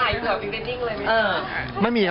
ถ่ายอยู่ต่อพิเฟตติ้งเลยไหม